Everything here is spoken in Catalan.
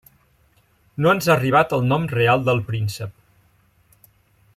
No ens ha arribat el nom real del príncep.